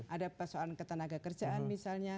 ada persoalan ketenaga kerjaan misalnya